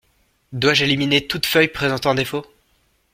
Dois-je éliminer toute feuille présentant un défaut?